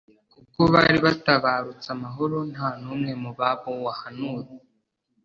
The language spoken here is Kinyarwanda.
kuko bari batabarutse amahoro, nta n'umwe mu babo wahaguye